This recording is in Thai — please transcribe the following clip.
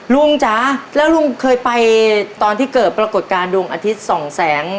จ๋าแล้วลุงเคยไปตอนที่เกิดปรากฏการณ์ดวงอาทิตย์สองแสง